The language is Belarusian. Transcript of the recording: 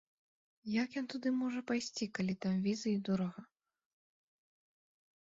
Як ён туды можа пайсці, калі там візы і дорага?